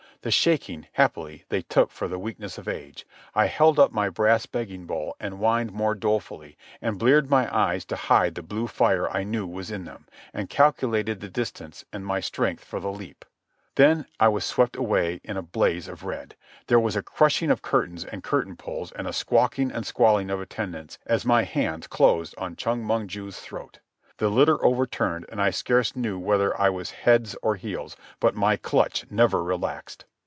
The shaking, happily, they took for the weakness of age. I held up my brass begging bowl, and whined more dolefully, and bleared my eyes to hide the blue fire I knew was in them, and calculated the distance and my strength for the leap. Then I was swept away in a blaze of red. There was a crashing of curtains and curtain poles and a squawking and squalling of attendants as my hands closed on Chong Mong ju's throat. The litter overturned, and I scarce knew whether I was heads or heels, but my clutch never relaxed.